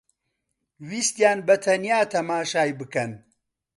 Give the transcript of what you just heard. ویستیان بەتەنیا تەماشای بکەن